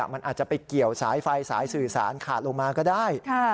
มันอาจจะไปเกี่ยวสายไฟสายสื่อสารขาดลงมาก็ได้